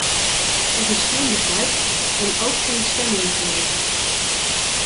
Er is geen besluit en ook geen stemming gewijzigd.